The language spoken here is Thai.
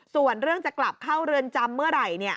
ส่วนเรื่องจะกลับเข้าเรือนจำเมื่อไหร่